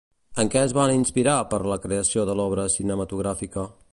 En què es van inspirar per la creació de l'obra cinematogràfica?